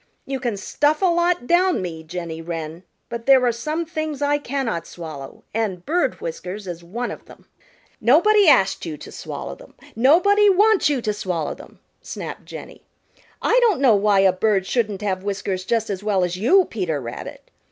You can stuff a lot down me, Jenny Wren, but there are some things I cannot swallow, and bird whiskers is one of them." "Nobody asked you to swallow them. Nobody wants you to swallow them," snapped Jenny. "I don't know why a bird shouldn't have whiskers just as well as you, Peter Rabbit.